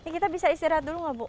kita bisa istirahat dulu nggak bu